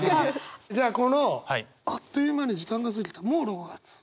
じゃあこのあっという間に時間が過ぎたもう６月。